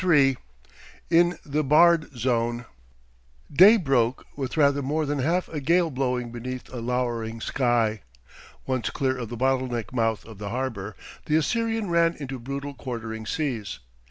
III IN THE BARRED ZONE Day broke with rather more than half a gale blowing beneath a louring sky. Once clear of the bottleneck mouth of the harbour, the Assyrian ran into brutal quartering seas.